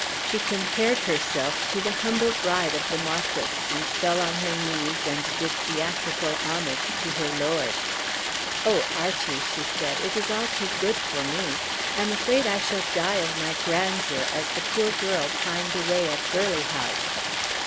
She compared herself to the humble bride of the marquis, and fell on her knees, and did theatrical homage to her lord. "Oh, Archy," she said, "it is all too good for me. I am afraid I shall die of my grandeur, as the poor girl pined away at Burleigh House."